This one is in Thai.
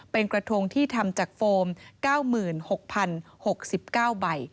เป็นกระทงที่ทำจากโฟม๙๖๐๖๙ใบ